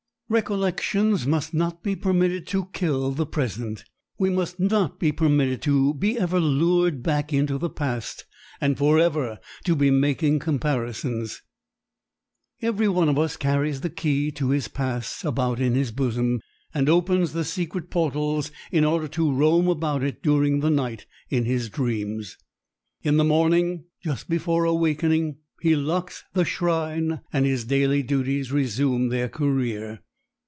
Recollections must not be permitted to kill the present. We must not be permitted to be ever lured back into the past and forever to be making comparisons. Every one of us carries the key to his past about in his bosom and opens the secret portals in order to roam about in it during the night in his dreams. In the morning, just before awaking, he locks the shrine and his daily duties resume their career.